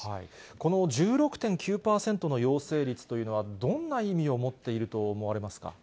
この１６．９％の陽性率というのは、どんな意味を持っていると思われますか？